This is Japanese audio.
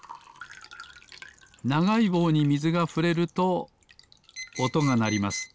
ながいぼうにみずがふれるとおとがなります。